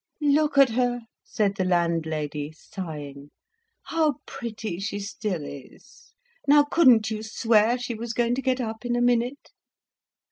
"Look at her," said the landlady, sighing; "how pretty she still is! Now, couldn't you swear she was going to get up in a minute?"